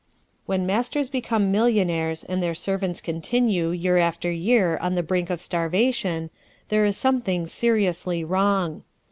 When masters become millionaires, and their servants continue, year after year, on the brink of starvation, there is something seriously wrong.